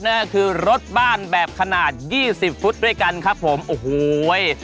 นั่นก็คือรถบ้านแบบขนาดยี่สิบฟุตด้วยกันครับผมโอ้โห